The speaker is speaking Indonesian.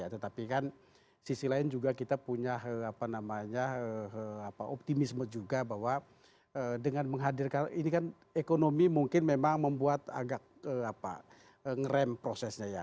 tetapi kan sisi lain juga kita punya optimisme juga bahwa dengan menghadirkan ini kan ekonomi mungkin memang membuat agak ngerem prosesnya ya